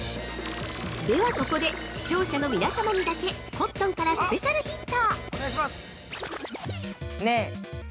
◆ではここで、視聴者の皆さまにだけ、コットンからスペシャルヒント！